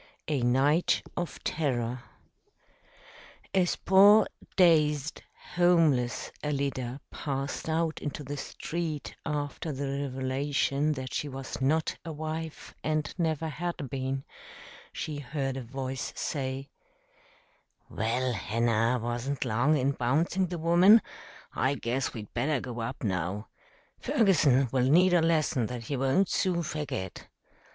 A Night of Terror As poor, dazed, homeless Alida passed out into the street after the revelation that she was not a wife and never had been, she heard a voice say, "Well, Hanner wasn't long in bouncing the woman. I guess we'd better go up now. Ferguson will need a lesson that he won't soon forget."